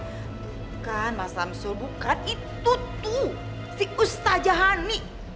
bukan mas samsul bukan itu tuh si ustaz jahani